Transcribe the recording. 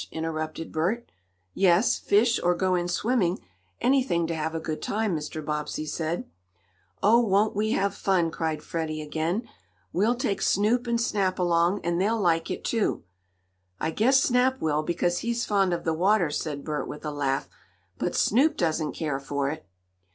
interrupted Bert. "Yes, fish, or go in swimming anything to have a good time," Mr. Bobbsey said. "Oh, won't we have fun!" cried Freddie again. "We'll take Snoop and Snap along, and they'll like it, too." "I guess Snap will, because he's fond of the water," said Bert, with a laugh. "But Snoop doesn't care for it."